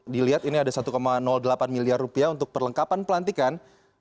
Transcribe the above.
dilihat ini ada satu delapan miliar rupiah untuk perlengkapan pelantikan